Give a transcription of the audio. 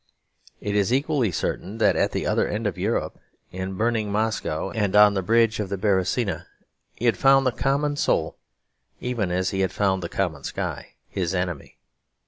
It is equally certain that at the other end of Europe, in burning Moscow and on the bridge of the Beresina, he had found the common soul, even as he had found the common sky, his enemy.